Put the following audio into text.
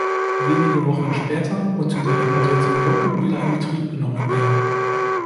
Wenige Wochen später konnten die reparierten Glocken wieder in Betrieb genommen werden.